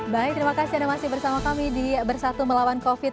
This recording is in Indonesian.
baik terima kasih anda masih bersama kami di bersatu melawan covid sembilan